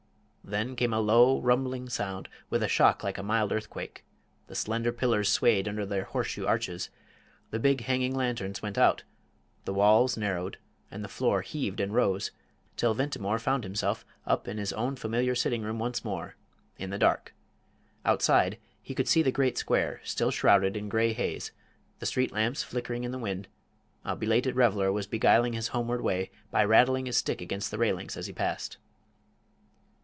Then came a low, rumbling sound, with a shock like a mild earthquake: the slender pillars swayed under their horseshoe arches; the big hanging lanterns went out; the walls narrowed, and the floor heaved and rose till Ventimore found himself up in his own familiar sitting room once more, in the dark. Outside he could see the great square still shrouded in grey haze the street lamps flickering in the wind; a belated reveller was beguiling his homeward way by rattling his stick against the railings as he passed.